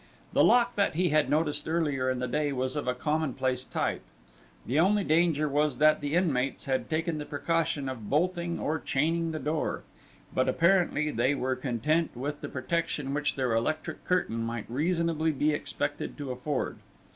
The lock that he had noticed earlier in the day was of a commonplace type; the only danger was that the inmates had taken the precaution of bolting or chaining the door, but apparently they were content with the protection which their electric curtain might reasonably be expected to afford.